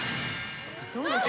どうです？